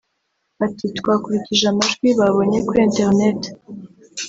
ati “Twakurikije amajwi babonye kuri internet